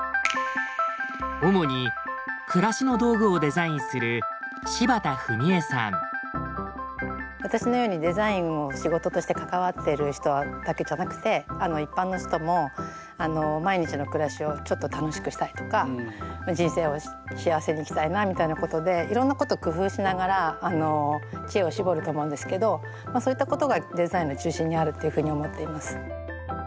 主に暮らしの道具をデザインする私のようにデザインを仕事として関わってる人だけじゃなくて一般の人も毎日の暮らしをちょっと楽しくしたいとか人生を幸せに生きたいなみたいなことでいろんなことを工夫しながら知恵を絞ると思うんですけどそういったことがデザインの中心にあるっていうふうに思っています。